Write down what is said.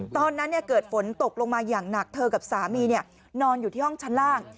ตอนนั้นเกิดฝนตกลงมาอย่างหนักเธอกับสามีนอนอยู่ที่ห้องชั้นล่าง